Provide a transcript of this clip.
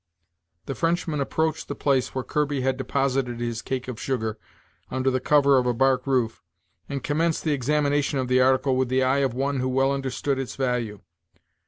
The Frenchman approached the place where Kirby had deposited his cake of sugar, under the cover of a bark roof, and commenced the examination of the article with the eye of one who well understood its value.